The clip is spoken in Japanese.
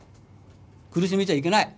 苦しめちゃいけない。